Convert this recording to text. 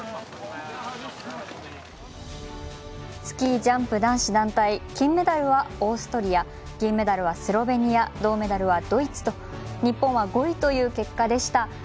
スキー・ジャンプ男子団体金メダルはオーストリア銀メダルはスロベニア銅メダルはドイツと日本は５位という結果でした。